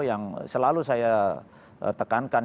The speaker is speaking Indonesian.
yang selalu saya tekankan